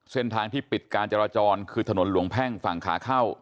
เส้นทางที่ปิดการจราจรคือถนนหลวงแพ่งฝั่งขาเข้า